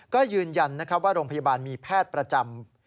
ก็ยืนยันว่าโรงพยาบาลมีแพทย์ประจำ